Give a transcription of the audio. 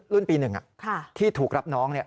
รุ่นปี๑อ่ะที่ถูกรับน้องเนี่ย